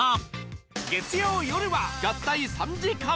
月曜よるは合体３時間